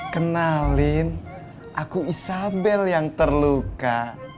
kenalin aku isabel yang terluka